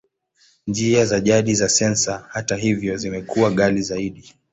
Njia za jadi za sensa, hata hivyo, zimekuwa ghali zaidi.